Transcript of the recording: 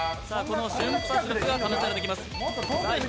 瞬発力が試されてきます。